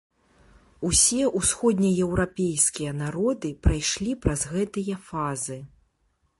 Усе усходнееўрапейскія народы прайшлі праз гэтыя фазы.